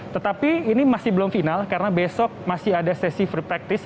tetapi ini masih belum final karena besok masih ada sesi free practice